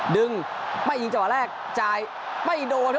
ดึงไปยิงจังหวะแรกจ่ายไปโดด